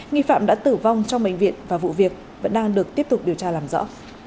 nghi phạm đã tử vong trong bệnh viện và vụ việc vẫn đang được tiếp tục điều tra làm rõ